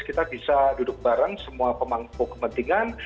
kita bisa duduk bareng semua pemangku kepentingan